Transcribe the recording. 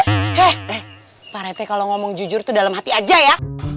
hehehe pak reti kalau ngomong jujur itu dalam hati aja ya